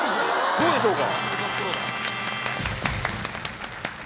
どうでしょうか？